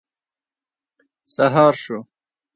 سهار شو.